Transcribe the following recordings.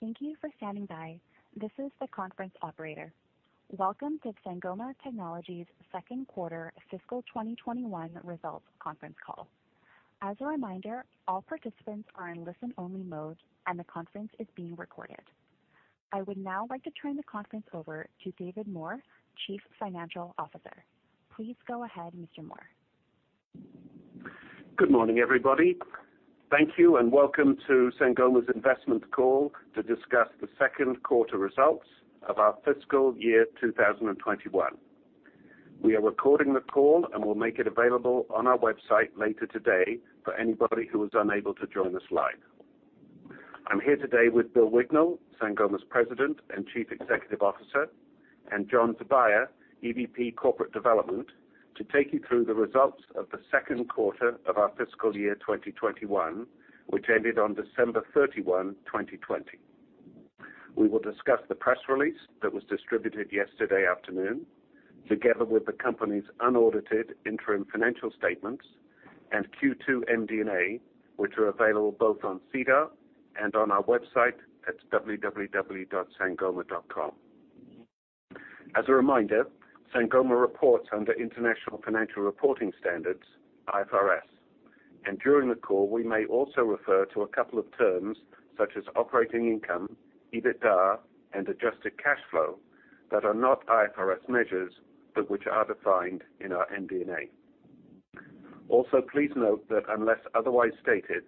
Thank you for standing by. This is the conference operator. Welcome to Sangoma Technologies' second quarter fiscal 2021 results conference call. As a reminder, all participants are in listen-only mode and the conference is being recorded. I would now like to turn the conference over to David Moore, Chief Financial Officer. Please go ahead, Mr. Moore. Good morning, everybody. Thank you and welcome to Sangoma's investment call to discuss the second quarter results of our fiscal year 2021. We are recording the call and will make it available on our website later today for anybody who was unable to join us live. I'm here today with Bill Wignall, Sangoma's President and Chief Executive Officer, and John Tobia, EVP Corporate Development, to take you through the results of the second quarter of our fiscal year 2021, which ended on December 31, 2020. We will discuss the press release that was distributed yesterday afternoon, together with the company's unaudited interim financial statements and Q2 MD&A, which are available both on SEDAR and on our website at www.sangoma.com. As a reminder, Sangoma reports under international financial reporting standards, IFRS, and during the call we may also refer to a couple of terms such as operating income, EBITDA and adjusted cash flow that are not IFRS measures, but which are defined in our MD&A. Please note that unless otherwise stated,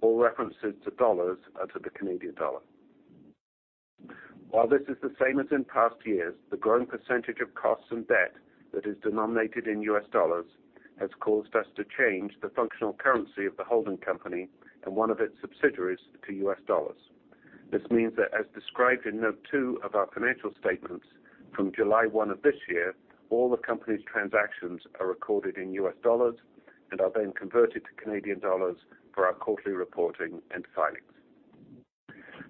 all references to dollars are to the Canadian dollar. While this is the same as in past years, the growing percentage of costs and debt that is denominated in U.S. dollars has caused us to change the functional currency of the holding company and one of its subsidiaries to U.S. dollars. This means that, as described in note two of our financial statements from July 1 of this year, all the company's transactions are recorded in U.S. dollars and are then converted to Canadian dollars for our quarterly reporting and filings.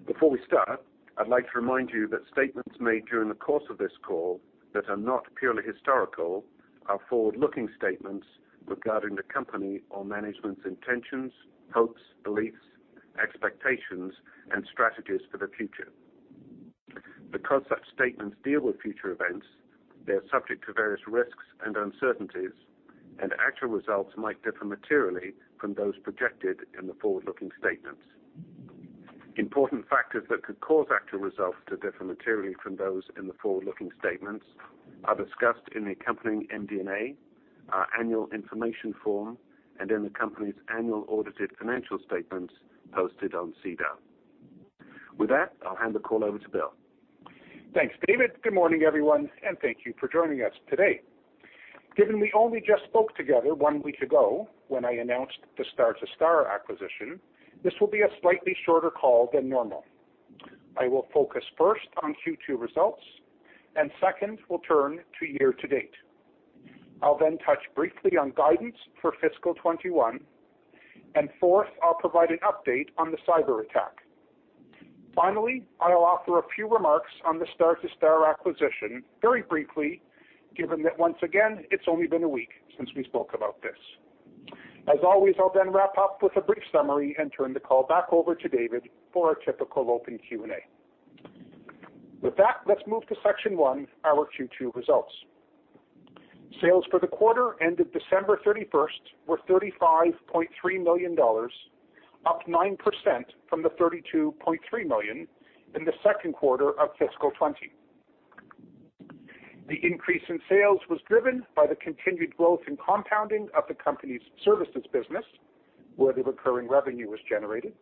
Before we start, I'd like to remind you that statements made during the course of this call that are not purely historical are forward-looking statements regarding the company or management's intentions, hopes, beliefs, expectations and strategies for the future. Because such statements deal with future events, they are subject to various risks and uncertainties, and actual results might differ materially from those projected in the forward-looking statements. Important factors that could cause actual results to differ materially from those in the forward-looking statements are discussed in the accompanying MD&A, our annual information form, and in the company's annual audited financial statements posted on SEDAR. With that, I'll hand the call over to Bill. Thanks, David. Good morning, everyone, thank you for joining us today. Given we only just spoke together one week ago when I announced the Star2Star acquisition, this will be a slightly shorter call than normal. I will focus first on Q2 results, second will turn to year to date. I'll then touch briefly on guidance for fiscal 2021, fourth, I'll provide an update on the cyber attack. Finally, I'll offer a few remarks on the Star2Star acquisition very briefly, given that once again, it's only been a week since we spoke about this. As always, I'll then wrap up with a brief summary and turn the call back over to David for our typical open Q&A. With that, let's move to section one, our Q2 results. Sales for the quarter ended December 31st were 35.3 million dollars, up 9% from the 32.3 million in the second quarter of fiscal 2020. The increase in sales was driven by the continued growth in compounding of the company's services business, where the recurring revenue was generated,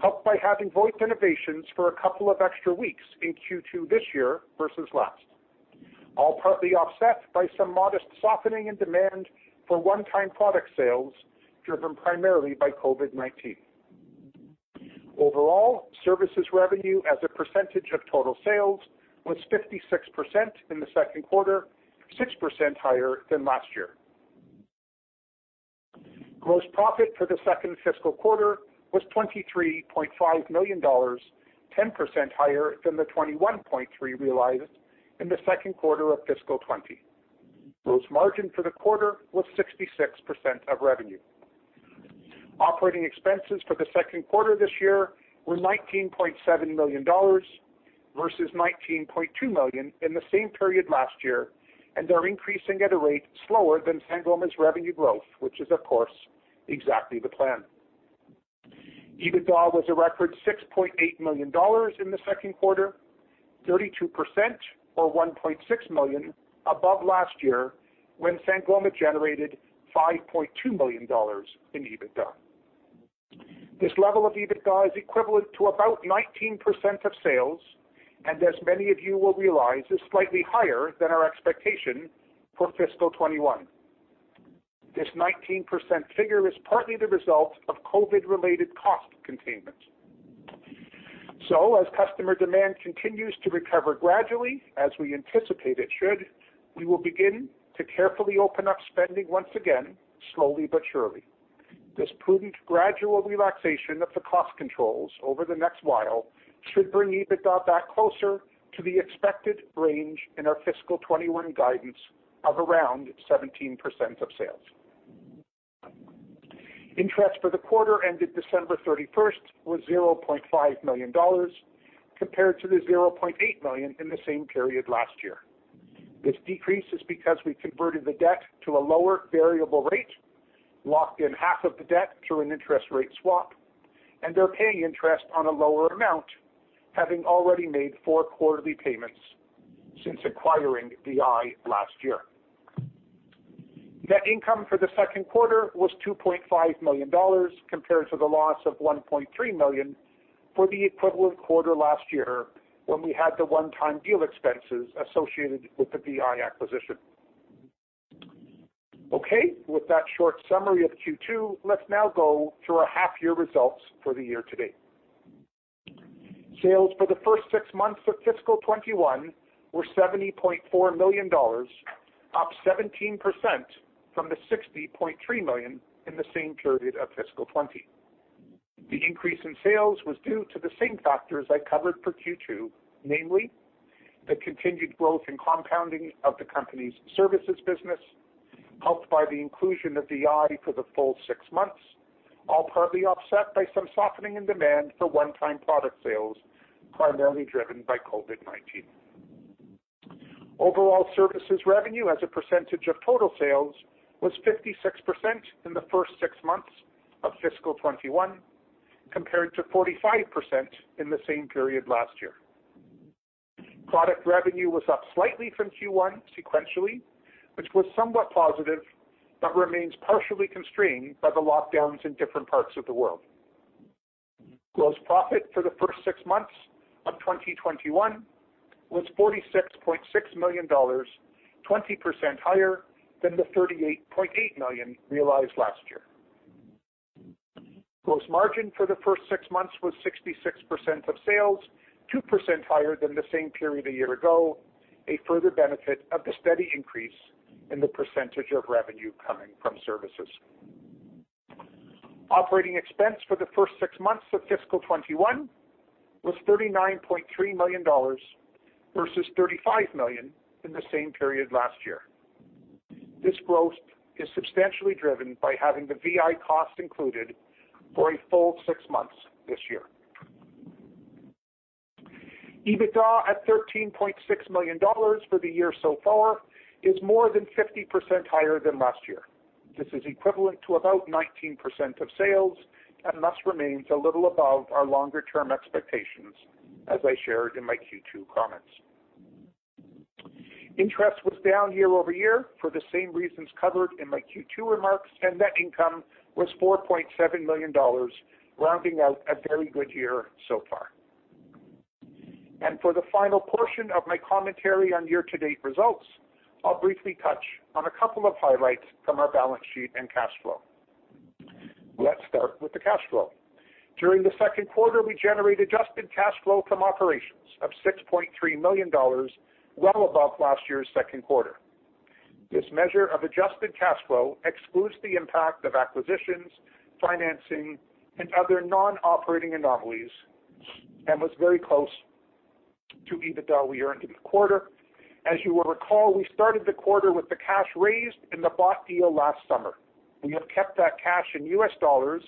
helped by having VoIP Innovations for a couple of extra weeks in Q2 this year versus last, all partly offset by some modest softening in demand for one-time product sales, driven primarily by COVID-19. Overall, services revenue as a percentage of total sales, was 56% in the second quarter, 6% higher than last year. Gross profit for the second fiscal quarter was 23.5 million dollars, 10% higher than the 21.3 million realized in the second quarter of fiscal 2020. Gross margin for the quarter was 66% of revenue. Operating expenses for the second quarter this year were 19.7 million dollars versus 19.2 million in the same period last year, and are increasing at a rate slower than Sangoma's revenue growth, which is of course exactly the plan. EBITDA was a record 6.8 million dollars in the second quarter, 32% or 1.6 million above last year, when Sangoma generated 5.2 million dollars in EBITDA. This level of EBITDA is equivalent to about 19% of sales, and as many of you will realize, is slightly higher than our expectation for fiscal 2021. This 19% figure is partly the result of COVID-related cost containment. As customer demand continues to recover gradually, as we anticipate it should, we will begin to carefully open up spending once again, slowly but surely. This prudent, gradual relaxation of the cost controls over the next while should bring EBITDA back closer to the expected range in our fiscal 2021 guidance of around 17% of sales. Interest for the quarter ended December 31st was 0.5 million dollars, compared to 0.8 million in the same period last year. This decrease is because we converted the debt to a lower variable rate, locked in half of the debt through an interest rate swap, and are paying interest on a lower amount, having already made four quarterly payments since acquiring VI last year. Net income for the second quarter was 2.5 million dollars, compared to the loss of 1.3 million for the equivalent quarter last year when we had the one-time deal expenses associated with the VI acquisition. With that short summary of Q2, let's now go through our half year results for the year to date. Sales for the first six months of fiscal 2021 were 70.4 million dollars, up 17% from the 60.3 million in the same period of fiscal 2020. The increase in sales was due to the same factors I covered for Q2, namely, the continued growth and compounding of the company's services business, helped by the inclusion of VI for the full six months, all partly offset by some softening in demand for one-time product sales, primarily driven by COVID-19. Overall services revenue as a percentage of total sales was 56% in the first six months of fiscal 2021, compared to 45% in the same period last year. Product revenue was up slightly from Q1 sequentially, which was somewhat positive but remains partially constrained by the lockdowns in different parts of the world. Gross profit for the first six months of 2021 was 46.6 million dollars, 20% higher than the 38.8 million realized last year. Gross margin for the first six months was 66% of sales, 2% higher than the same period a year ago, a further benefit of the steady increase in the percentage of revenue coming from services. Operating expense for the first six months of fiscal 2021 was 39.3 million dollars versus 35 million in the same period last year. This growth is substantially driven by having the VI cost included for a full six months this year. EBITDA at 13.6 million dollars for the year so far is more than 50% higher than last year. This is equivalent to about 19% of sales and thus remains a little above our longer-term expectations, as I shared in my Q2 comments. Interest was down year-over-year for the same reasons covered in my Q2 remarks, and net income was 4.7 million dollars, rounding out a very good year so far. For the final portion of my commentary on year-to-date results, I'll briefly touch on a couple of highlights from our balance sheet and cash flow. Let's start with the cash flow. During the second quarter, we generated adjusted cash flow from operations of 6.3 million dollars, well above last year's second quarter. This measure of adjusted cash flow excludes the impact of acquisitions, financing, and other non-operating anomalies and was very close to EBITDA we earned in the quarter. As you will recall, we started the quarter with the cash raised in the bought deal last summer. We have kept that cash in U.S. dollars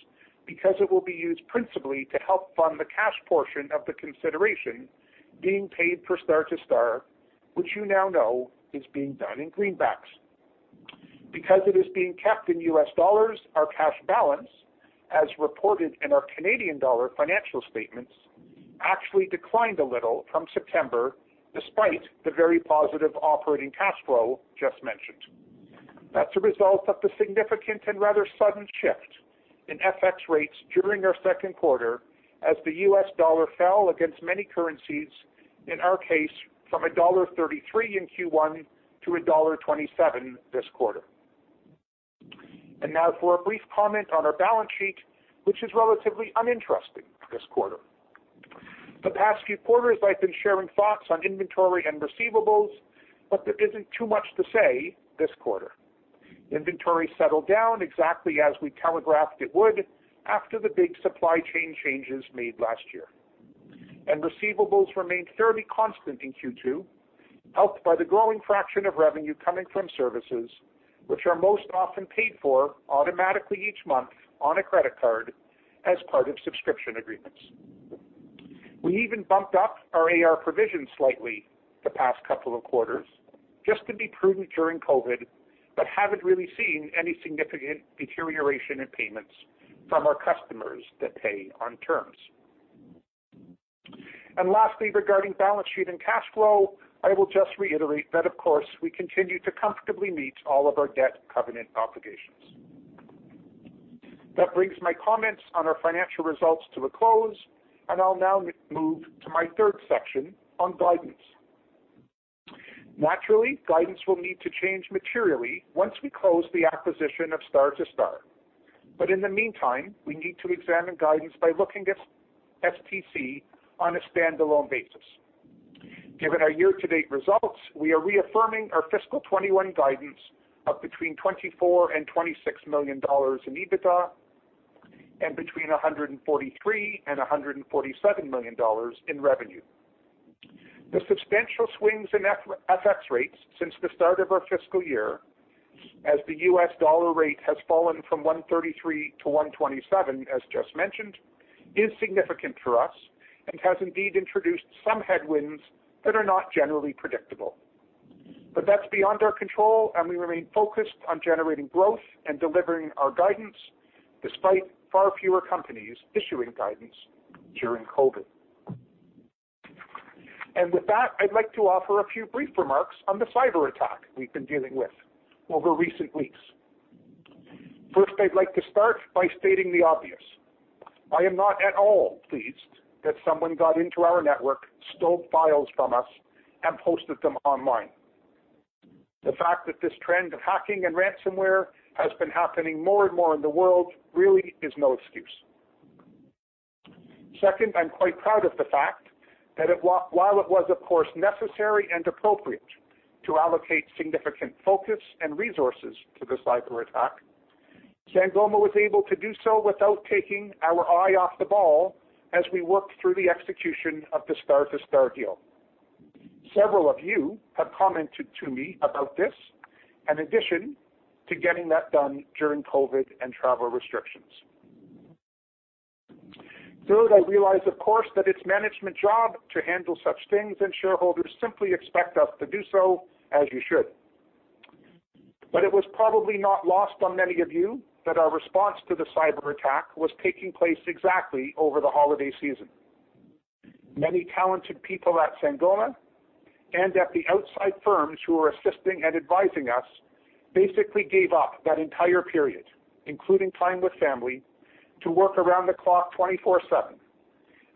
because it will be used principally to help fund the cash portion of the consideration being paid for Star2Star, which you now know is being done in greenbacks. Because it is being kept in U.S. dollars, our cash balance, as reported in our Canadian dollar financial statements, actually declined a little from September, despite the very positive operating cash flow just mentioned. That's a result of the significant and rather sudden shift in FX rates during our second quarter as the U.S. dollar fell against many currencies, in our case, from $1.33 in Q1 to $1.27 this quarter. Now for a brief comment on our balance sheet, which is relatively uninteresting this quarter. The past few quarters, I've been sharing thoughts on inventory and receivables, but there isn't too much to say this quarter. Inventory settled down exactly as we telegraphed it would after the big supply chain changes made last year. Receivables remained fairly constant in Q2, helped by the growing fraction of revenue coming from services, which are most often paid for automatically each month on a credit card as part of subscription agreements. We even bumped up our AR provision slightly the past couple of quarters just to be prudent during COVID, but haven't really seen any significant deterioration in payments from our customers that pay on terms. Lastly, regarding balance sheet and cash flow, I will just reiterate that, of course, we continue to comfortably meet all of our debt covenant obligations. That brings my comments on our financial results to a close, and I'll now move to my third section on guidance. Naturally, guidance will need to change materially once we close the acquisition of Star2Star. In the meantime, we need to examine guidance by looking at STC on a standalone basis. Given our year-to-date results, we are reaffirming our fiscal 2021 guidance of between 24 million and 26 million dollars in EBITDA and between 143 million and 147 million dollars in revenue. The substantial swings in FX rates since the start of our fiscal year, as the U.S. dollar rate has fallen from 133 to 127, as just mentioned, is significant for us, and has indeed introduced some headwinds that are not generally predictable. That's beyond our control, and we remain focused on generating growth and delivering our guidance, despite far fewer companies issuing guidance during COVID. With that, I'd like to offer a few brief remarks on the cyber attack we've been dealing with over recent weeks. First, I'd like to start by stating the obvious. I am not at all pleased that someone got into our network, stole files from us, and posted them online. The fact that this trend of hacking and ransomware has been happening more and more in the world really is no excuse. Second, I'm quite proud of the fact that while it was of course necessary and appropriate to allocate significant focus and resources to this cyber attack, Sangoma was able to do so without taking our eye off the ball as we worked through the execution of the Star2Star deal. Several of you have commented to me about this, in addition to getting that done during COVID and travel restrictions. Third, I realize, of course, that it's management's job to handle such things, and shareholders simply expect us to do so, as you should. It was probably not lost on many of you that our response to the cyber attack was taking place exactly over the holiday season. Many talented people at Sangoma and at the outside firms who were assisting and advising us basically gave up that entire period, including time with family, to work around the clock 24/7.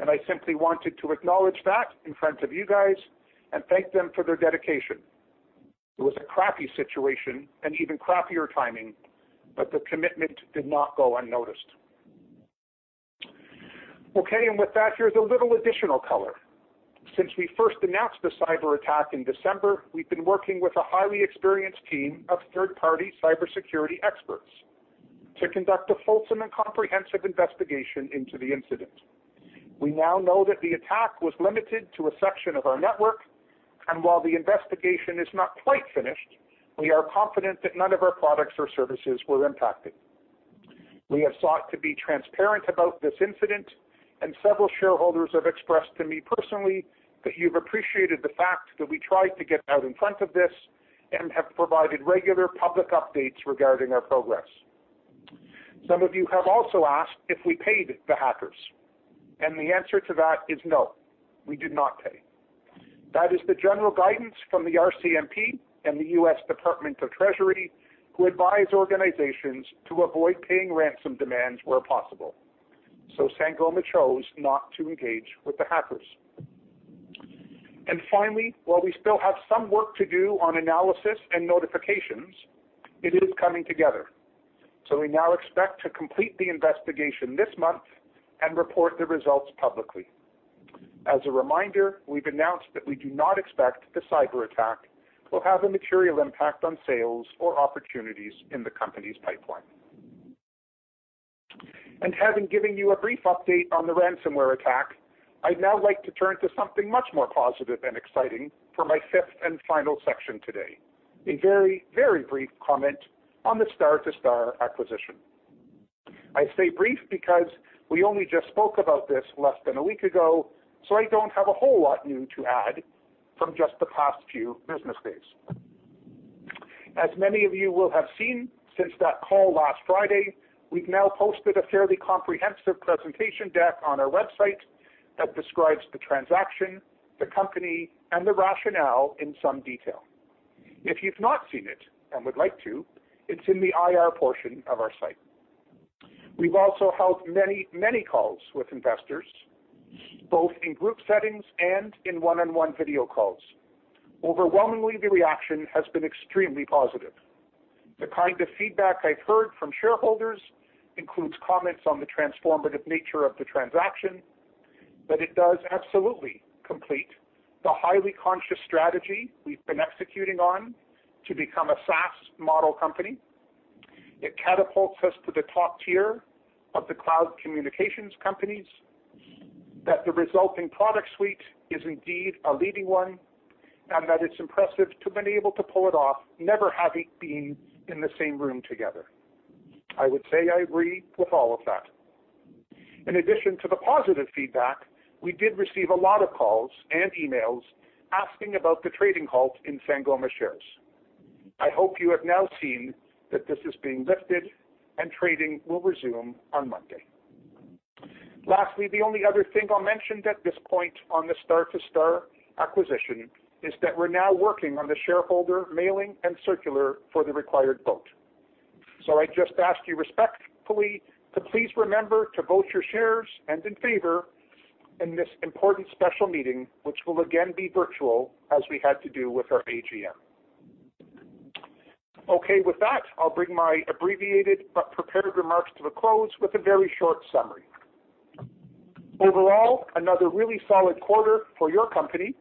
I simply wanted to acknowledge that in front of you guys and thank them for their dedication. It was a crappy situation and even crappier timing, but the commitment did not go unnoticed. With that, here's a little additional color. Since we first announced the cyber attack in December, we've been working with a highly experienced team of third-party cybersecurity experts to conduct a fulsome and comprehensive investigation into the incident. We now know that the attack was limited to a section of our network, and while the investigation is not quite finished, we are confident that none of our products or services were impacted. We have sought to be transparent about this incident. Several shareholders have expressed to me personally that you've appreciated the fact that we tried to get out in front of this and have provided regular public updates regarding our progress. Some of you have also asked if we paid the hackers. The answer to that is no, we did not pay. That is the general guidance from the RCMP and the U.S. Department of the Treasury, who advise organizations to avoid paying ransom demands where possible. Sangoma chose not to engage with the hackers. Finally, while we still have some work to do on analysis and notifications, it is coming together. We now expect to complete the investigation this month and report the results publicly. As a reminder, we've announced that we do not expect the cyber attack will have a material impact on sales or opportunities in the company's pipeline. Having given you a brief update on the ransomware attack, I'd now like to turn to something much more positive and exciting for my fifth and final section today, a very, very brief comment on the Star2Star acquisition. I say brief because we only just spoke about this less than a week ago, so I don't have a whole lot new to add from just the past few business days. As many of you will have seen since that call last Friday, we've now posted a fairly comprehensive presentation deck on our website that describes the transaction, the company, and the rationale in some detail. If you've not seen it and would like to, it's in the IR portion of our site. We've also held many calls with investors, both in group settings and in one-on-one video calls. Overwhelmingly, the reaction has been extremely positive. The kind of feedback I've heard from shareholders includes comments on the transformative nature of the transaction, that it does absolutely complete the highly conscious strategy we've been executing on to become a SaaS model company. It catapults us to the top tier of the cloud communications companies, that the resulting product suite is indeed a leading one, and that it's impressive to have been able to pull it off, never having been in the same room together. I would say I agree with all of that. In addition to the positive feedback, we did receive a lot of calls and emails asking about the trading halt in Sangoma shares. I hope you have now seen that this is being lifted and trading will resume on Monday. The only other thing I'll mention at this point on the Star2Star acquisition is that we're now working on the shareholder mailing and circular for the required vote. I just ask you respectfully to please remember to vote your shares and in favor in this important special meeting, which will again be virtual as we had to do with our AGM. With that, I'll bring my abbreviated but prepared remarks to a close with a very short summary. Overall, another really solid quarter for your company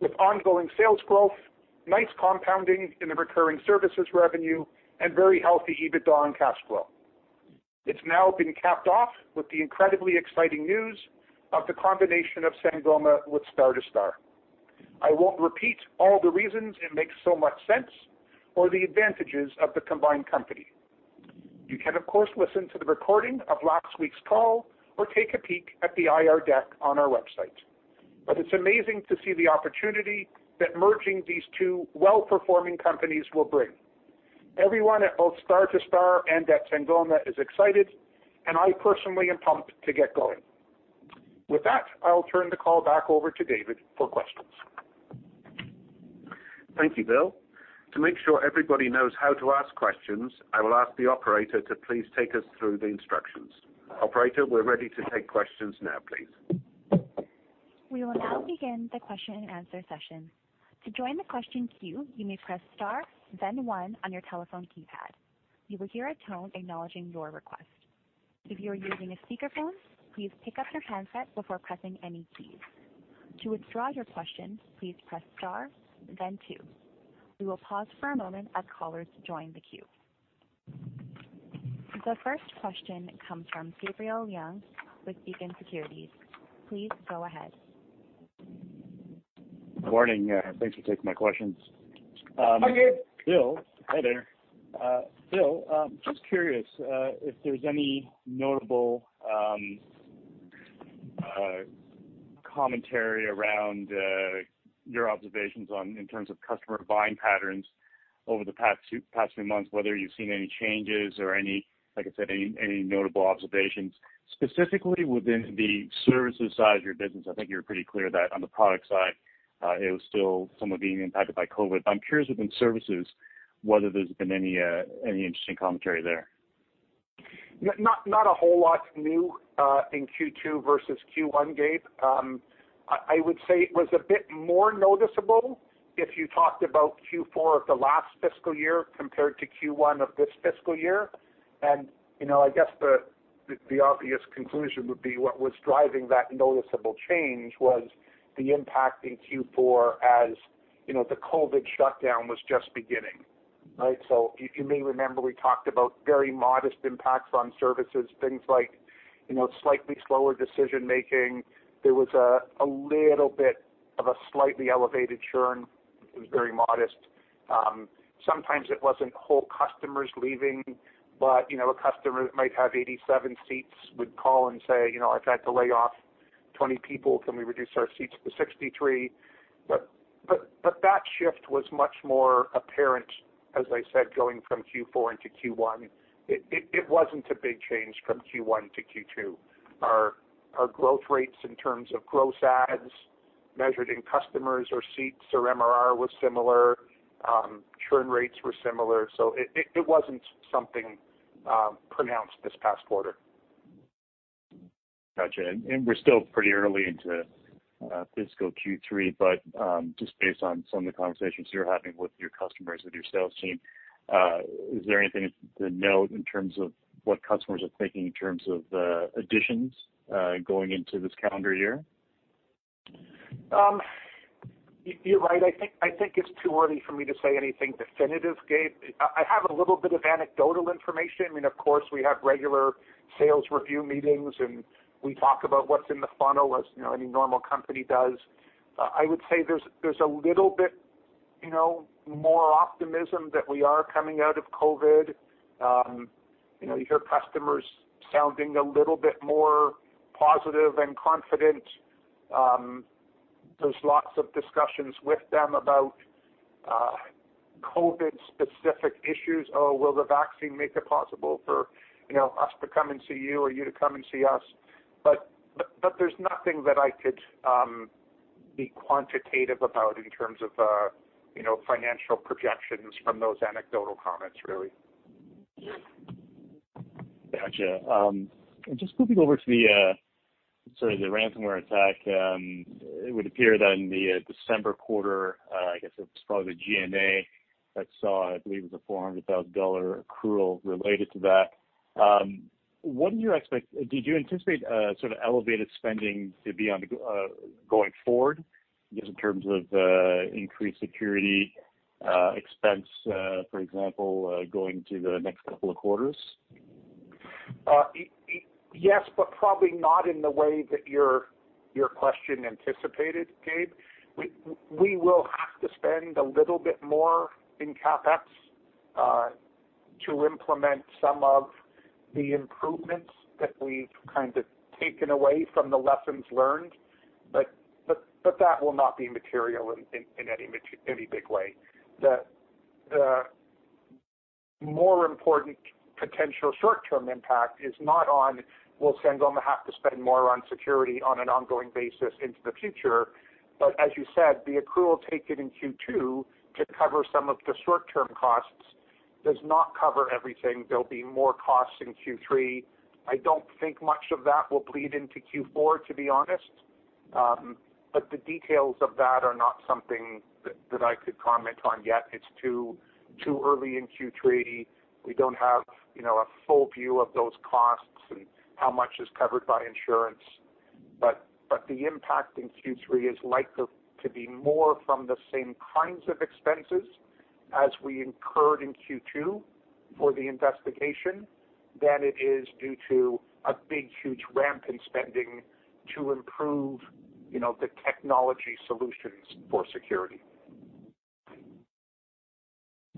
with ongoing sales growth, nice compounding in the recurring services revenue, and very healthy EBITDA and cash flow. It's now been capped off with the incredibly exciting news of the combination of Sangoma with Star2Star. I won't repeat all the reasons it makes so much sense or the advantages of the combined company. You can, of course, listen to the recording of last week's call or take a peek at the IR deck on our website. It's amazing to see the opportunity that merging these two well-performing companies will bring. Everyone at both Star2Star and at Sangoma is excited, and I personally am pumped to get going. With that, I'll turn the call back over to David for questions. Thank you, Bill. To make sure everybody knows how to ask questions, I will ask the operator to please take us through the instructions. Operator, we are ready to take questions now, please. We will now begin the question-and-answer session. To join the question queue, you may press star then one on your telephone keypad you hear a tone acknowledging your request. If you are using a speaker phone, please pick-up your handset before pressing any key. To withdraw your question, please press star then two. We will pause for a moment after callers join the queue. The first question comes from Gabriel Leung with Beacon Securities. Please go ahead. Good morning. Thanks for taking my questions. Hi, Gabe. Bill. Hi there. Bill, just curious if there's any notable commentary around your observations in terms of customer buying patterns over the past few months, whether you've seen any changes or any, like I said, any notable observations, specifically within the services side of your business. I think you were pretty clear that on the product side, it was still somewhat being impacted by COVID. I'm curious within services, whether there's been any interesting commentary there. Not a whole lot new in Q2 versus Q1, Gabe. I would say it was a bit more noticeable if you talked about Q4 of the last fiscal year compared to Q1 of this fiscal year. I guess the obvious conclusion would be what was driving that noticeable change was the impact in Q4 as the COVID shutdown was just beginning. Right? You may remember we talked about very modest impacts on services, things like slightly slower decision-making. There was a little bit of a slightly elevated churn. It was very modest. Sometimes it wasn't whole customers leaving, but a customer that might have 87 seats would call and say, "I've had to lay off 20 people. Can we reduce our seats to 63?" That shift was much more apparent, as I said, going from Q4 into Q1. It wasn't a big change from Q1 to Q2. Our growth rates in terms of gross adds, measured in customers or seats or MRR was similar. Churn rates were similar. It wasn't something pronounced this past quarter. Got you. We're still pretty early into fiscal Q3, but just based on some of the conversations you're having with your customers, with your sales team, is there anything to note in terms of what customers are thinking in terms of additions going into this calendar year? You're right. I think it's too early for me to say anything definitive, Gabe. I have a little bit of anecdotal information. I mean, of course, we have regular sales review meetings, and we talk about what's in the funnel as any normal company does. I would say there's a little bit more optimism that we are coming out of COVID. You hear customers sounding a little bit more positive and confident. There's lots of discussions with them about COVID-specific issues. Oh, will the vaccine make it possible for us to come and see you or you to come and see us? There's nothing that I could be quantitative about in terms of financial projections from those anecdotal comments, really. Got you. Just flipping over to the ransomware attack, it would appear that in the December quarter, I guess it was probably the MD&A that saw, I believe, it was a 400,000 dollar accrual related to that. Did you anticipate sort of elevated spending to be going forward just in terms of increased security expense, for example, going to the next couple of quarters? Yes, probably not in the way that your question anticipated, Gabe. We will have to spend a little bit more in CapEx to implement some of the improvements that we've kind of taken away from the lessons learned, but that will not be material in any big way. The more important potential short-term impact is not on will Sangoma have to spend more on security on an ongoing basis into the future. As you said, the accrual taken in Q2 to cover some of the short-term costs does not cover everything. There'll be more costs in Q3. I don't think much of that will bleed into Q4, to be honest. The details of that are not something that I could comment on yet. It's too early in Q3. We don't have a full view of those costs and how much is covered by insurance. The impact in Q3 is likely to be more from the same kinds of expenses as we incurred in Q2 for the investigation than it is due to a big, huge ramp in spending to improve the technology solutions for security.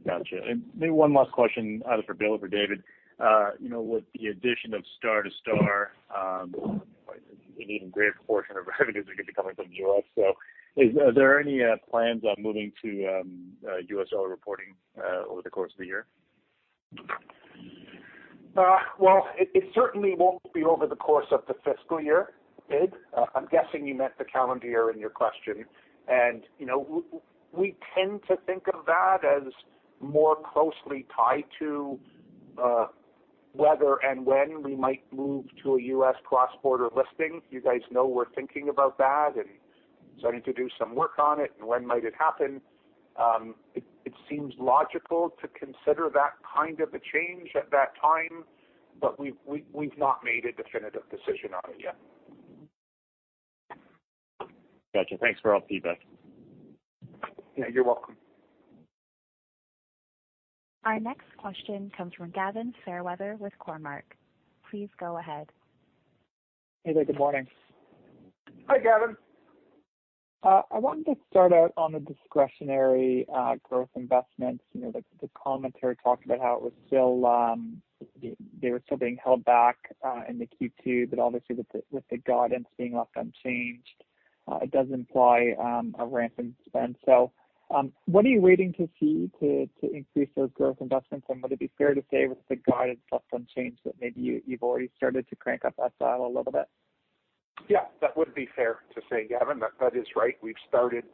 Got you. Maybe one last question either for Bill or for David. With the addition of Star2Star, an even greater portion of revenues are going to be coming from Europe. Are there any plans on moving to U.S. overall reporting over the course of the year? Well, it certainly won't be over the course of the fiscal year, Gabe. I'm guessing you meant the calendar year in your question. We tend to think of that as more closely tied to whether and when we might move to a U.S. cross-border listing. You guys know we're thinking about that and starting to do some work on it and when might it happen. It seems logical to consider that kind of a change at that time, but we've not made a definitive decision on it yet. Got you. Thanks for all the feedback. Yeah, you're welcome. Our next question comes from Gavin Fairweather with Cormark. Please go ahead. Hey there. Good morning. Hi, Gavin. I wanted to start out on the discretionary growth investments. The commentary talked about how they were still being held back in the Q2, obviously with the guidance being left unchanged, it does imply a ramp in spend. What are you waiting to see to increase those growth investments? Would it be fair to say with the guidance left unchanged that maybe you've already started to crank up that dial a little bit? Yeah, that would be fair to say, Gavin. That is right. We've started.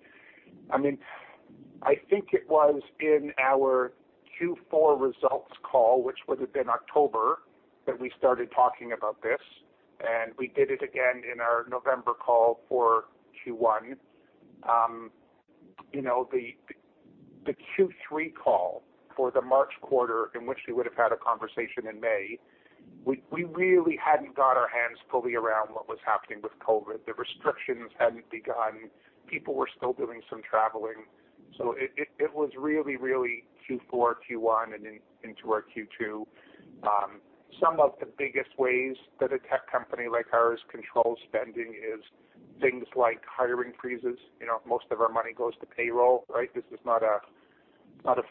I think it was in our Q4 results call, which would have been October, that we started talking about this, and we did it again in our November call for Q1. The Q3 call for the March quarter, in which we would have had a conversation in May, we really hadn't got our hands fully around what was happening with COVID. The restrictions hadn't begun. People were still doing some traveling. It was really Q4, Q1, and into our Q2. Some of the biggest ways that a tech company like ours controls spending is things like hiring freezes. Most of our money goes to payroll, right? This is not a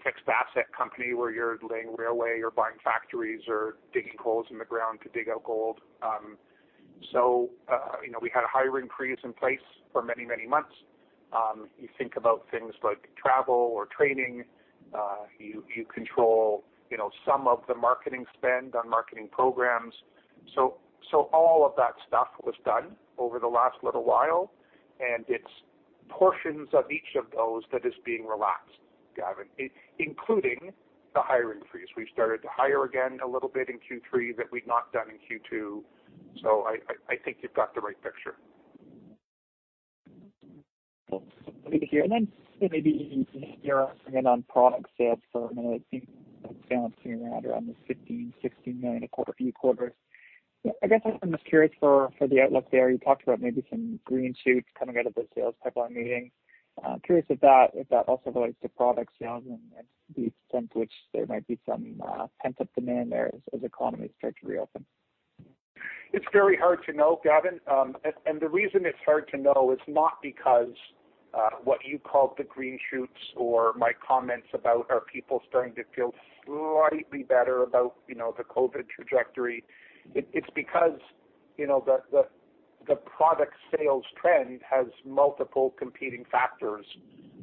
fixed asset company where you're laying railway or buying factories or digging holes in the ground to dig out gold. We had a hiring freeze in place for many, many months. You think about things like travel or training. You control some of the marketing spend on marketing programs. All of that stuff was done over the last little while, and it's portions of each of those that is being relaxed, Gavin, including the hiring freeze. We've started to hire again a little bit in Q3 that we'd not done in Q2. I think you've got the right picture. Cool. Thank you. Then maybe you're answering it on product sales for, it seems like balancing around the CAD 15 million-CAD 16 million a quarter. I guess I'm just curious for the outlook there. You talked about maybe some green shoots coming out of the sales pipeline meeting. Curious if that also relates to product sales and the extent to which there might be some pent-up demand there as economies start to reopen. It's very hard to know, Gavin. The reason it's hard to know is not because what you called the green shoots or my comments about our people starting to feel slightly better about the COVID trajectory. It's because the product sales trend has multiple competing factors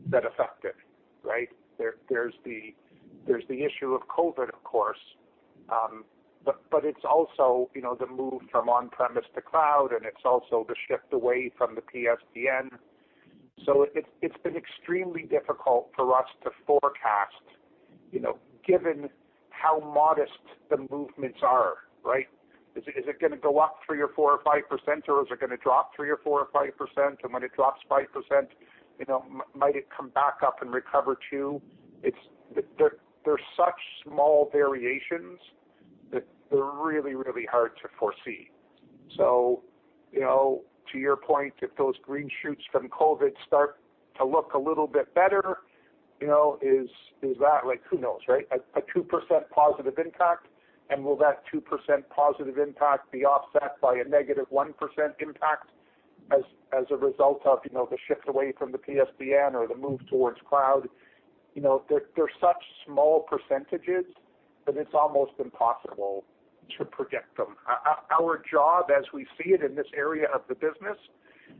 that affect it, right? There's the issue of COVID, of course, but it's also the move from on-premise to cloud, and it's also the shift away from the PSTN. It's been extremely difficult for us to forecast given how modest the movements are, right? Is it going to go up 3% or 4% or 5%, or is it going to drop 3% or 4% or 5%? And when it drops 5%, might it come back up and recover 2%? They're such small variations that they're really hard to foresee. To your point, if those green shoots from COVID start to look a little bit better, who knows, right? A 2% positive impact, and will that 2% positive impact be offset by a -1% impact as a result of the shift away from the PSTN or the move towards cloud? They're such small percentages that it's almost impossible to predict them. Our job as we see it in this area of the business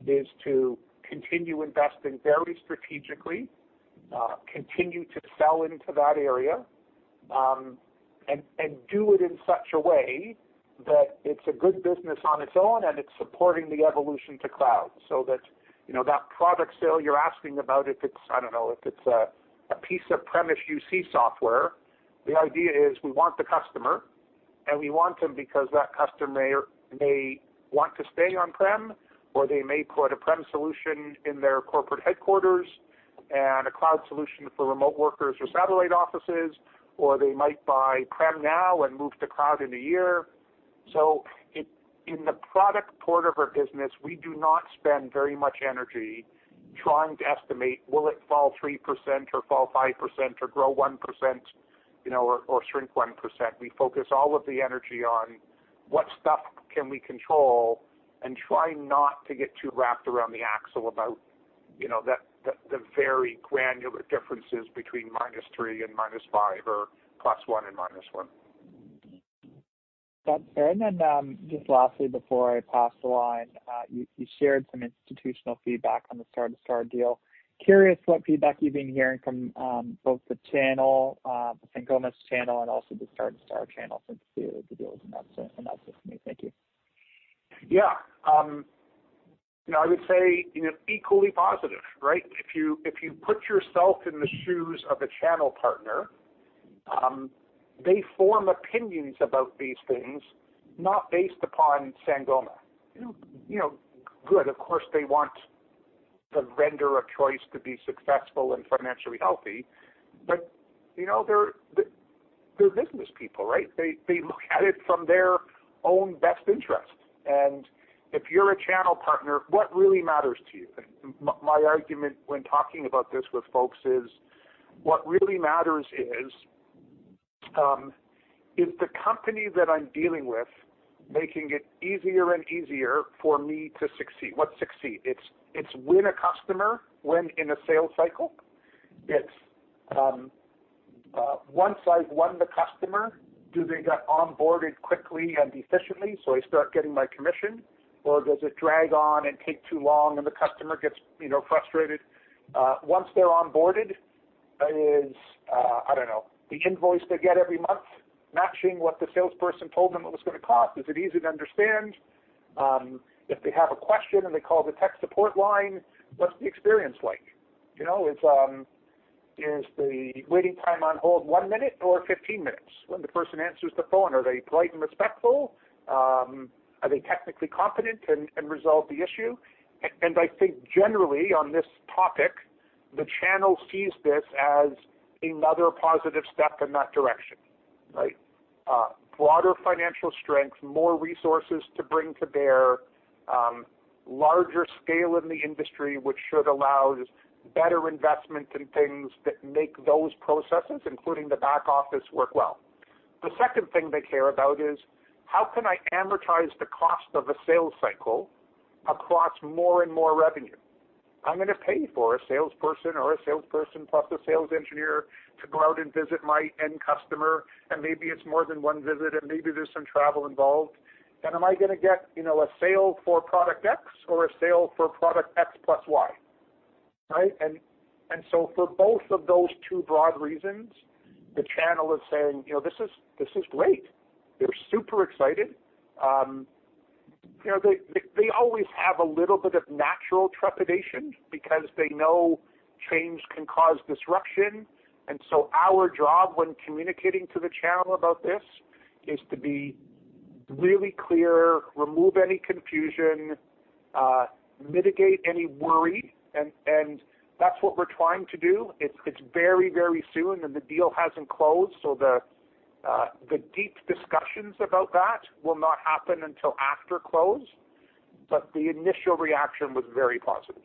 is to continue investing very strategically, continue to sell into that area, and do it in such a way that it's a good business on its own and it's supporting the evolution to cloud. That product sale you're asking about, I don't know, if it's a piece of premise UC software, the idea is we want the customer, and we want them because that customer may want to stay on-prem, or they may put a prem solution in their corporate headquarters. A cloud solution for remote workers or satellite offices, or they might buy prem now and move to cloud in a year. In the product part of our business, we do not spend very much energy trying to estimate will it fall 3% or fall 5% or grow 1%, or shrink 1%. We focus all of the energy on what stuff can we control and try not to get too wrapped around the axle about the very granular differences between -3% and -5% or +1% and -1%. Got it. Just lastly, before I pass the line, you shared some institutional feedback on the Star2Star deal. Curious what feedback you've been hearing from both the channel, Sangoma's channel, and also the Star2Star channel since the deal was announced just recently. Thank you. Yeah. I would say, equally positive, right? If you put yourself in the shoes of a channel partner, they form opinions about these things, not based upon Sangoma. Of course, they want the vendor of choice to be successful and financially healthy, but they're business people, right? They look at it from their own best interest. If you're a channel partner, what really matters to you? My argument when talking about this with folks is what really matters is the company that I'm dealing with making it easier and easier for me to succeed. What's succeed? It's win a customer, win in a sales cycle. It's once I've won the customer, do they get onboarded quickly and efficiently, so I start getting my commission? Does it drag on and take too long, and the customer gets frustrated? Once they're onboarded, is, I don't know, the invoice they get every month matching what the salesperson told them it was going to cost? Is it easy to understand? If they have a question and they call the tech support line, what's the experience like? Is the waiting time on hold one minute or 15 minutes? When the person answers the phone, are they polite and respectful? Are they technically competent and resolve the issue? I think generally on this topic, the channel sees this as another positive step in that direction, right? Broader financial strength, more resources to bring to bear, larger scale in the industry, which should allow better investment in things that make those processes, including the back office, work well. The second thing they care about is how can I amortize the cost of a sales cycle across more and more revenue? I'm going to pay for a salesperson or a salesperson plus a sales engineer to go out and visit my end customer, and maybe it's more than one visit, and maybe there's some travel involved. Am I going to get a sale for product X or a sale for product X + Y, right? For both of those two broad reasons, the channel is saying, "This is great." They're super excited. They always have a little bit of natural trepidation because they know change can cause disruption. Our job when communicating to the channel about this is to be really clear, remove any confusion, mitigate any worry, and that's what we're trying to do. It's very, very soon, and the deal hasn't closed, so the deep discussions about that will not happen until after close. The initial reaction was very positive.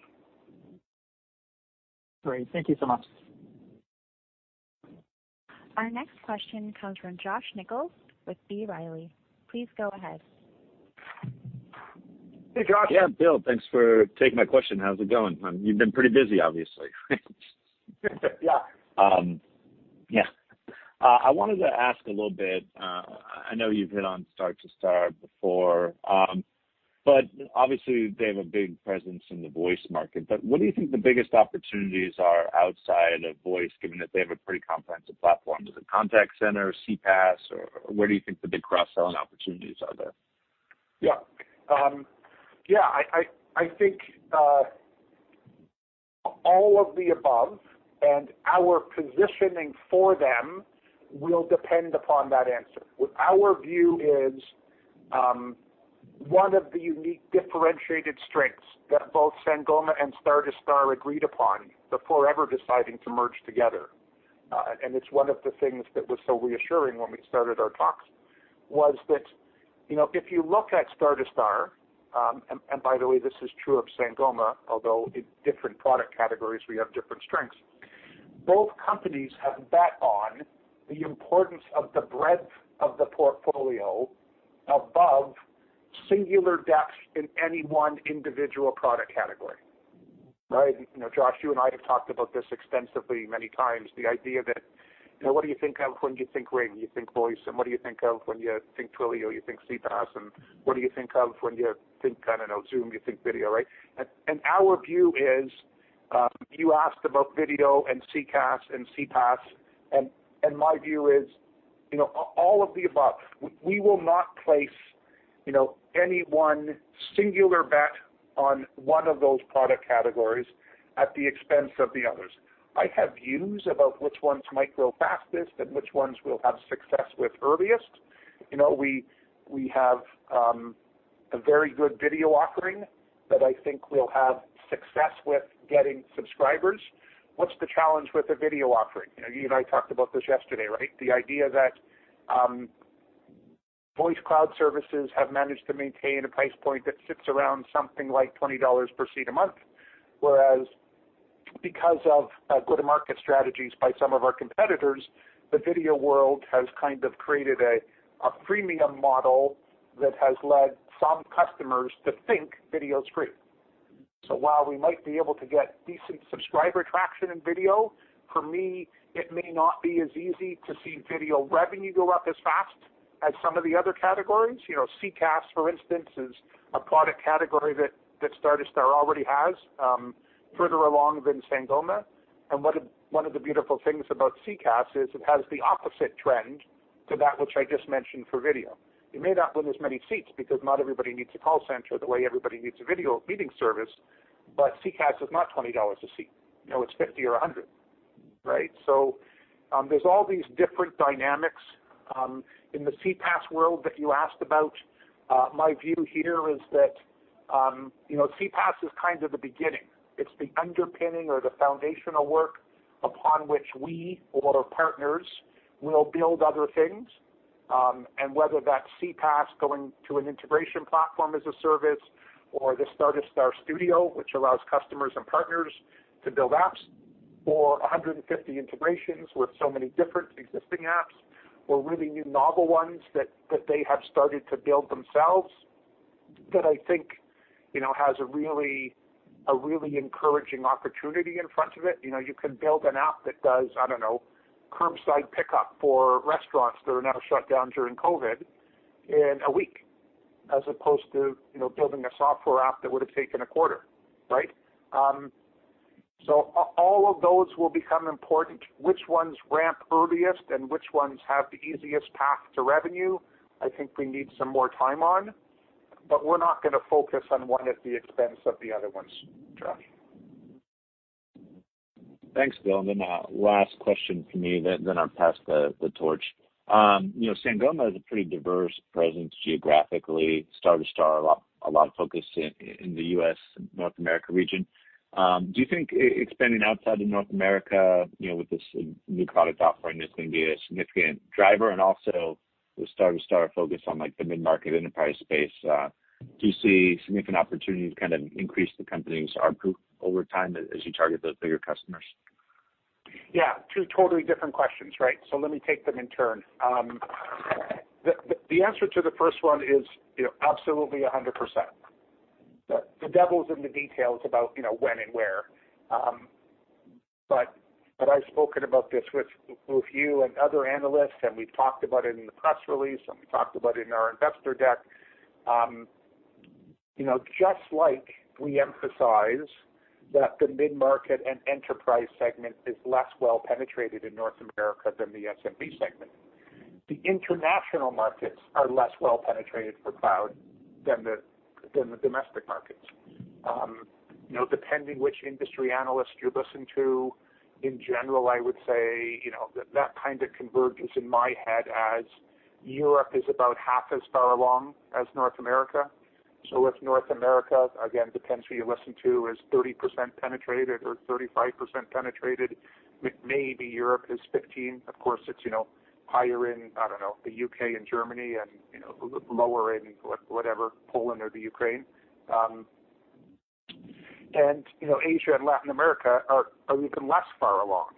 Great. Thank you so much. Our next question comes from Josh Nichols with B. Riley. Please go ahead. Hey, Josh. Yeah, Bill. Thanks for taking my question. How's it going? You've been pretty busy, obviously. Yeah. Yeah. I wanted to ask a little bit, I know you've hit on Star2Star before. Obviously, they have a big presence in the voice market, but what do you think the biggest opportunities are outside of voice, given that they have a pretty comprehensive platform? Is it contact center or CPaaS, or where do you think the big cross-selling opportunities are there? Yeah. I think all of the above, and our positioning for them will depend upon that answer. What our view is, one of the unique differentiated strengths that both Sangoma and Star2Star agreed upon before ever deciding to merge together, and it's one of the things that was so reassuring when we started our talks, was that if you look at Star2Star, and by the way, this is true of Sangoma, although in different product categories, we have different strengths. Both companies have bet on the importance of the breadth of the portfolio above singular depth in any one individual product category. Right? Josh, you and I have talked about this extensively many times, the idea that, what do you think of when you think RingCentral? You think voice. What do you think of when you think Twilio? You think CPaaS. What do you think of when you think, I don't know, Zoom? You think video, right? Our view is, you asked about video and CCaaS and CPaaS, and my view is all of the above. We will not place any one singular bet on one of those product categories at the expense of the others. I have views about which ones might grow fastest and which ones we'll have success with earliest. We have a very good video offering that I think we'll have success with getting subscribers. What's the challenge with the video offering? You and I talked about this yesterday, right? The idea that voice cloud services have managed to maintain a price point that sits around something like 20 dollars per seat a month, whereas because of go-to-market strategies by some of our competitors, the video world has kind of created a freemium model that has led some customers to think video is free. While we might be able to get decent subscriber traction in video, for me, it may not be as easy to see video revenue go up as fast as some of the other categories. CCaaS, for instance, is a product category that Star2Star already has further along than Sangoma. One of the beautiful things about CCaaS is it has the opposite trend to that which I just mentioned for video. You may not win as many seats because not everybody needs a call center the way everybody needs a video meeting service, but CCaaS is not 20 dollars a seat. It's 50 or 100, right? There's all these different dynamics in the CPaaS world that you asked about. My view here is that CPaaS is kind of the beginning. It's the underpinning or the foundational work upon which we or our partners will build other things. Whether that's CPaaS going to an integration platform as a service or the Star2Star Studio, which allows customers and partners to build apps or 150 integrations with so many different existing apps or really new novel ones that they have started to build themselves, that I think has a really encouraging opportunity in front of it. You can build an app that does, I don't know, curbside pickup for restaurants that are now shut down during COVID in a week, as opposed to building a software app that would have taken a quarter, right? All of those will become important. Which ones ramp earliest and which ones have the easiest path to revenue, I think we need some more time on, but we're not going to focus on one at the expense of the other ones, Josh. Thanks, Bill. Last question from me, then I'll pass the torch. Sangoma has a pretty diverse presence geographically. Star2Star, a lot of focus in the U.S. and North America region. Do you think expanding outside of North America, with this new product offering, is going to be a significant driver? Also, with Star2Star focused on the mid-market enterprise space, do you see significant opportunity to kind of increase the company's ARPU over time as you target those bigger customers? Two totally different questions, right? Let me take them in turn. The answer to the first one is absolutely 100%. The devil's in the details about when and where. I've spoken about this with you and other analysts, and we've talked about it in the press release, and we talked about it in our investor deck. Just like we emphasize that the mid-market and enterprise segment is less well penetrated in North America than the SMB segment, the international markets are less well penetrated for cloud than the domestic markets. Depending which industry analyst you listen to, in general, I would say that that kind of converges in my head as Europe is about half as far along as North America. If North America, again, depends on who you listen to, is 30% penetrated or 35% penetrated, maybe Europe is 15%. It's higher in, I don't know, the U.K. and Germany and lower in whatever, Poland or the Ukraine. Asia and Latin America are even less far along.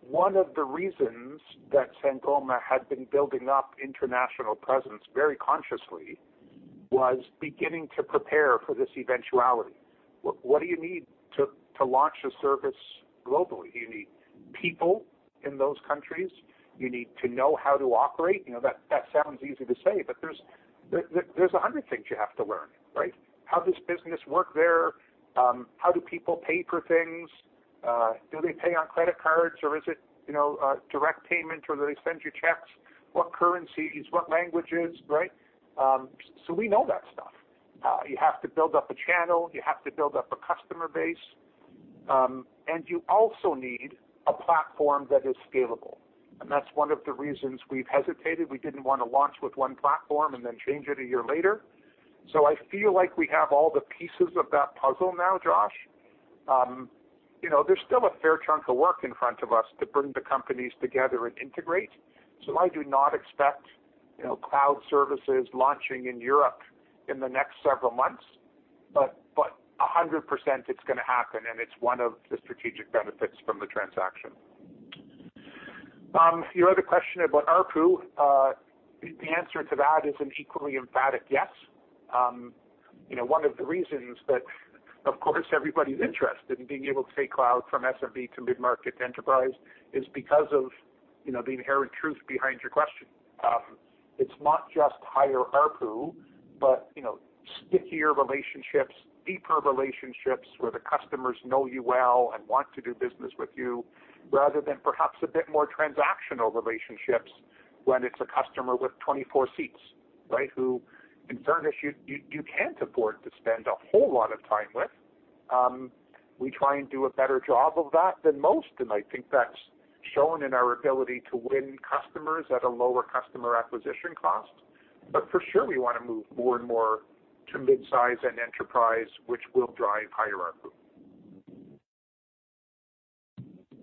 One of the reasons that Sangoma had been building up international presence very consciously was beginning to prepare for this eventuality. What do you need to launch a service globally? You need people in those countries. You need to know how to operate. That sounds easy to say, there's 100 things you have to learn, right? How does business work there? How do people pay for things? Do they pay on credit cards, or is it direct payment, or do they send you checks? What currency? What languages, right? We know that stuff. You have to build up a channel. You have to build up a customer base. You also need a platform that is scalable, and that's one of the reasons we've hesitated. We didn't want to launch with one platform and then change it a year later. I feel like we have all the pieces of that puzzle now, Josh. There's still a fair chunk of work in front of us to bring the companies together and integrate. I do not expect cloud services launching in Europe in the next several months, but 100% it's going to happen, and it's one of the strategic benefits from the transaction. Your other question about ARPU, the answer to that is an equally emphatic yes. One of the reasons that, of course, everybody's interested in being able to take cloud from SMB to mid-market to enterprise is because of the inherent truth behind your question. It's not just higher ARPU, but stickier relationships, deeper relationships, where the customers know you well and want to do business with you, rather than perhaps a bit more transactional relationships when it's a customer with 24 seats, right? Who in fairness, you can't afford to spend a whole lot of time with. We try and do a better job of that than most, and I think that's shown in our ability to win customers at a lower customer acquisition cost. For sure, we want to move more and more to midsize and enterprise, which will drive higher ARPU.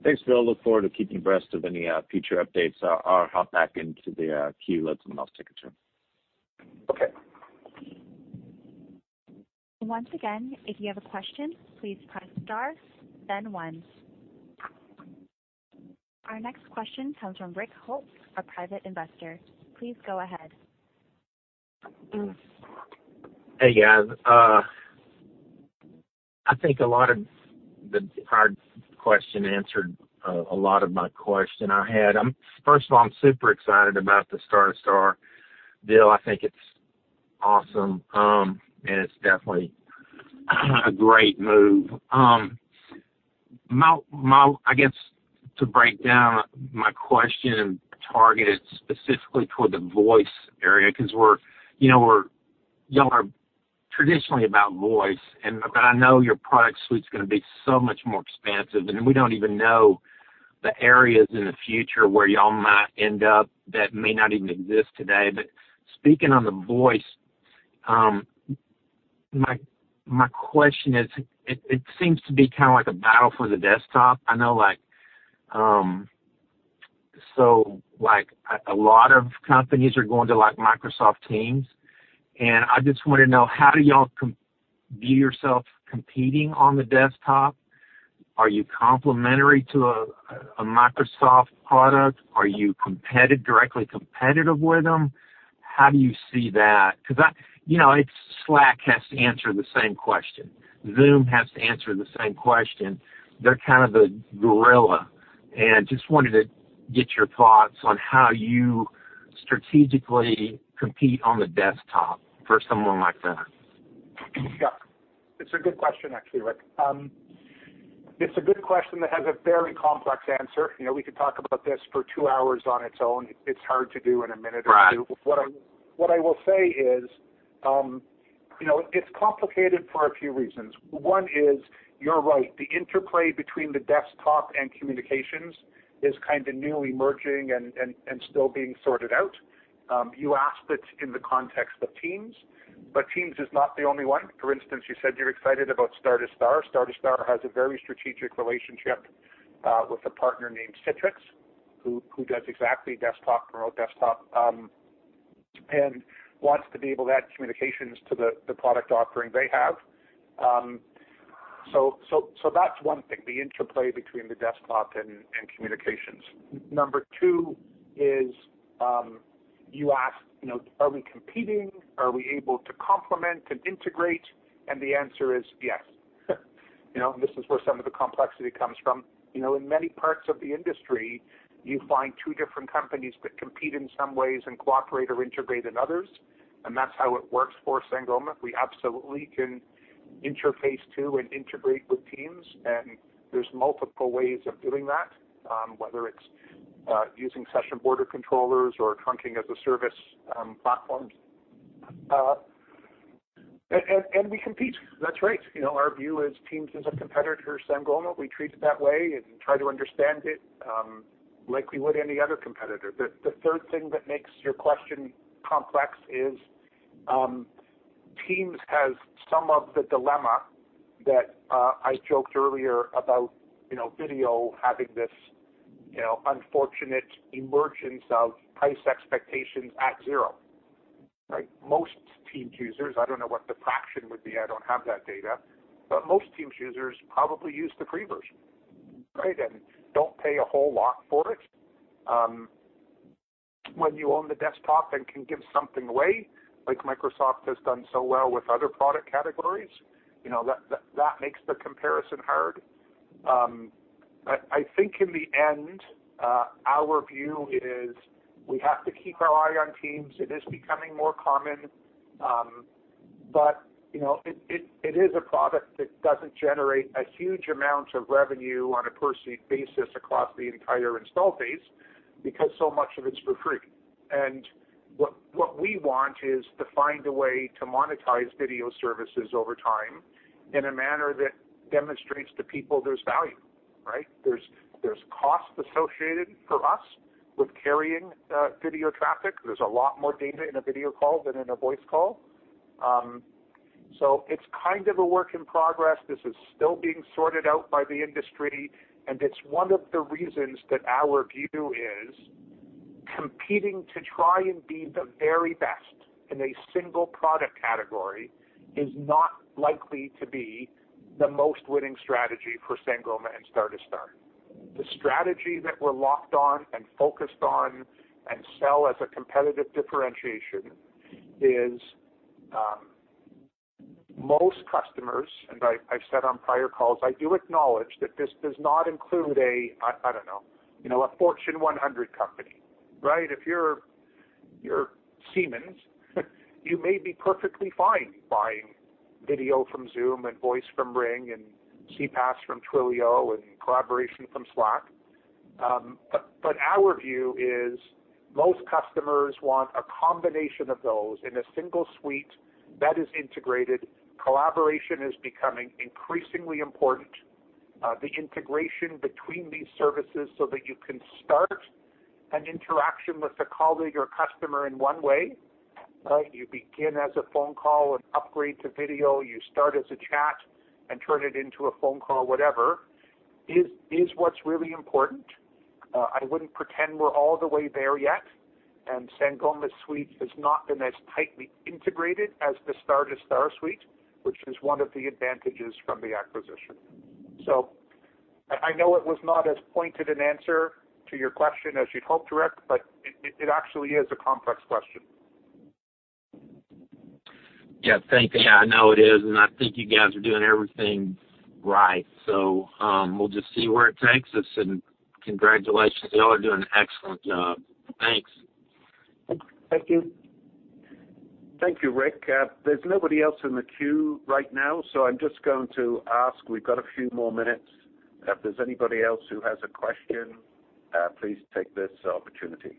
Thanks, Bill. Look forward to keeping abreast of any future updates. I'll hop back into the queue. Let someone else take a turn. Okay. Once again, if you have a question, please press star then one. Our next question comes from Rick Holt, a private investor. Please go ahead. Hey, guys. I think a lot of the hard question answered a lot of my question I had. First of all, I'm super excited about the Star2Star, Bill. I think it's awesome, and it's definitely a great move. I guess, to break down my question targeted specifically toward the voice area, because you all are traditionally about voice, but I know your product suite's going to be so much more expansive, and we don't even know the areas in the future where you all might end up that may not even exist today. Speaking on the voice, my question is, it seems to be kind of like a battle for the desktop. I know, a lot of companies are going to Microsoft Teams, and I just want to know how do you all view yourself competing on the desktop? Are you complementary to a Microsoft product? Are you directly competitive with them? How do you see that? Slack has to answer the same question. Zoom has to answer the same question. They're kind of the gorilla, and just wanted to get your thoughts on how you strategically compete on the desktop for someone like that. Yeah. It's a good question, actually, Rick. It's a good question that has a very complex answer. We could talk about this for two hours on its own. It's hard to do in a minute or two. Right. What I will say is, it's complicated for a few reasons. One is, you're right. The interplay between the desktop and communications is kind of new emerging and still being sorted out. You asked it in the context of Teams, but Teams is not the only one. For instance, you said you're excited about Star2Star. Star2Star has a very strategic relationship with a partner named Citrix, who does exactly desktop, remote desktop, and wants to be able to add communications to the product offering they have. That's one thing, the interplay between the desktop and communications. Number two is, you asked, are we competing? Are we able to complement and integrate? The answer is yes. This is where some of the complexity comes from. In many parts of the industry, you find two different companies that compete in some ways and cooperate or integrate in others, and that's how it works for Sangoma. We absolutely can interface to and integrate with Teams, and there's multiple ways of doing that, whether it's using session border controllers or trunking as a service platforms. We compete, that's right. Our view is Teams is a competitor to Sangoma. We treat it that way and try to understand it, like we would any other competitor. The third thing that makes your question complex is, Teams has some of the dilemma that I joked earlier about video having this unfortunate emergence of price expectations at zero, right? Most Teams users, I don't know what the fraction would be, I don't have that data, but most Teams users probably use the free version, right, and don't pay a whole lot for it. When you own the desktop and can give something away, like Microsoft has done so well with other product categories, that makes the comparison hard. I think in the end, our view is we have to keep our eye on Teams. It is becoming more common. It is a product that doesn't generate a huge amount of revenue on a per-seat basis across the entire install base because so much of it's for free. What we want is to find a way to monetize video services over time in a manner that demonstrates to people there's value, right? There's cost associated for us with carrying video traffic. There's a lot more data in a video call than in a voice call. It's kind of a work in progress. This is still being sorted out by the industry, and it's one of the reasons that our view is competing to try and be the very best in a single product category is not likely to be the most winning strategy for Sangoma and Star2Star. The strategy that we're locked on and focused on and sell as a competitive differentiation is most customers, and I've said on prior calls, I do acknowledge that this does not include a, I don't know, a Fortune 100 company, right? If you're Siemens, you may be perfectly fine buying video from Zoom and voice from RingCentral and CPaaS from Twilio and collaboration from Slack. Our view is most customers want a combination of those in a single suite that is integrated. Collaboration is becoming increasingly important. The integration between these services so that you can start an interaction with a colleague or customer in one way. You begin as a phone call and upgrade to video. You start as a chat and turn it into a phone call, whatever, is what's really important. I wouldn't pretend we're all the way there yet, and Sangoma suite has not been as tightly integrated as the Star2Star suite, which is one of the advantages from the acquisition. I know it was not as pointed an answer to your question as you'd hoped, Rick, but it actually is a complex question. Yeah. Thank you. I know it is. I think you guys are doing everything right. We'll just see where it takes us. Congratulations. Y'all are doing an excellent job. Thanks. Thank you. Thank you, Rick. There's nobody else in the queue right now, so I'm just going to ask, we've got a few more minutes. If there's anybody else who has a question, please take this opportunity.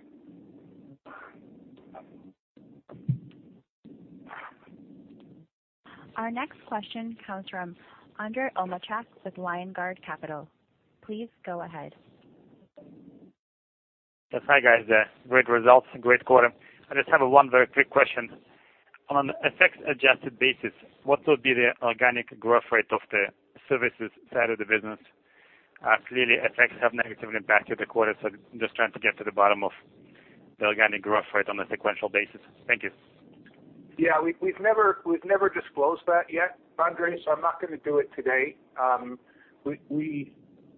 Our next question comes from Andrey Omelchak with LionGuard Capital. Please go ahead. Hi, guys. Great results. Great quarter. I just have one very quick question. On an FX-adjusted basis, what will be the organic growth rate of the services side of the business? Clearly, FX have negatively impacted the quarter, so just trying to get to the bottom of the organic growth rate on a sequential basis. Thank you. Yeah, we've never disclosed that yet, Andrey. I'm not going to do it today.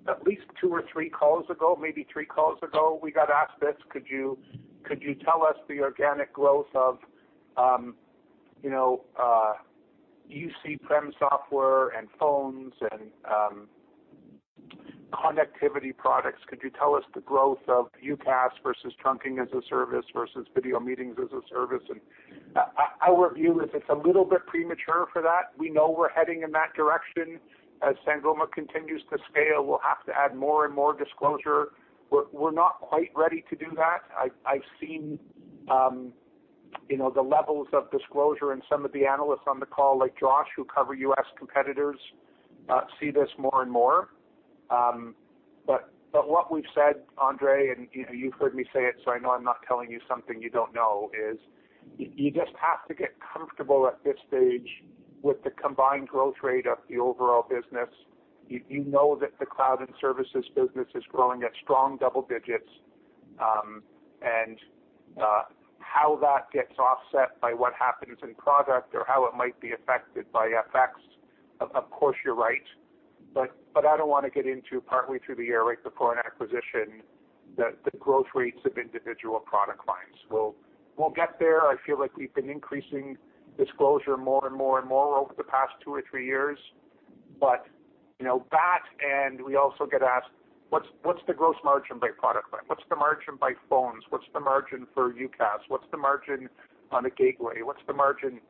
At least two or three calls ago, maybe three calls ago, we got asked this, "Could you tell us the organic growth of UC prem software and phones and connectivity products? Could you tell us the growth of UCaaS versus trunking-as-a-service versus video meetings-as-a-service?" Our view is it's a little bit premature for that. We know we're heading in that direction. As Sangoma continues to scale, we'll have to add more and more disclosure. We're not quite ready to do that. I've seen the levels of disclosure, some of the analysts on the call, like Josh, who cover U.S. competitors, see this more and more. What we've said, Andrey, and you've heard me say it, so I know I'm not telling you something you don't know, is you just have to get comfortable at this stage with the combined growth rate of the overall business. You know that the cloud and services business is growing at strong double digits, and how that gets offset by what happens in product or how it might be affected by FX, of course, you're right. I don't want to get into partly through the year, right before an acquisition, the growth rates of individual product lines. We'll get there. I feel like we've been increasing disclosure more and more over the past two or three years. That and we also get asked, "What's the gross margin by product line? What's the margin by phones? What's the margin for UCaaS? What's the margin on a gateway? What's the margin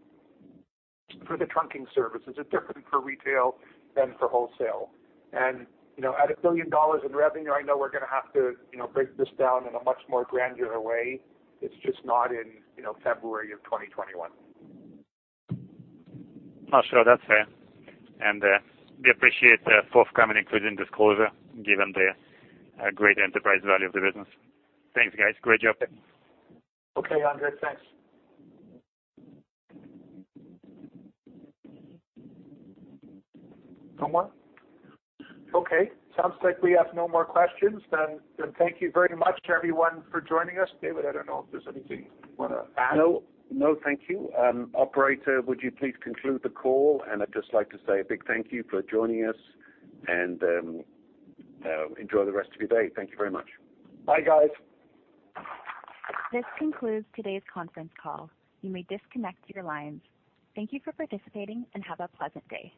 for the trunking service? Is it different for retail than for wholesale? At 1 billion dollars in revenue, I know we're going to have to break this down in a much more granular way. It's just not in February of 2021. Oh, sure. That's fair. We appreciate the forthcoming increase in disclosure given the great enterprise value of the business. Thanks, guys. Great job. Okay, Andrey. Thanks. No more? Okay, sounds like we have no more questions then. Thank you very much to everyone for joining us. David, I don't know if there's anything you want to add. No, thank you. Operator, would you please conclude the call? I'd just like to say a big thank you for joining us, and enjoy the rest of your day. Thank you very much. Bye, guys. This concludes today's conference call. You may disconnect your lines. Thank you for participating and have a pleasant day.